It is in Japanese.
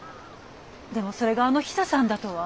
でもそれがあのヒサさんだとは。